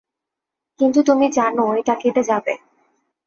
কিন্তু তুমি জানো এটা কেটে যাবে।